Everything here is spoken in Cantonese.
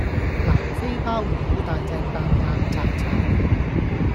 南非鮑魚好大隻但硬柴柴